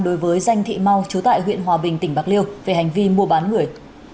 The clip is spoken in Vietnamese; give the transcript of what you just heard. đối với danh thị mau trú tại huyện hòa bình tỉnh bạc liêu về hành vi mua bán người